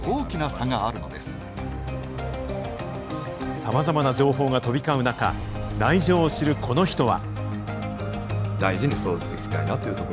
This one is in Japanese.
さまざまな情報が飛び交う中内情を知るこの人は。